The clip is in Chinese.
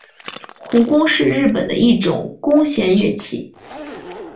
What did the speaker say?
胡弓是日本的一种弓弦乐器。